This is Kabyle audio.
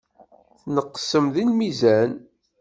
Tneqsem deg lmizan.